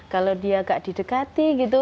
kalau dia agak didekati gitu